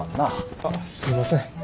あっすいません。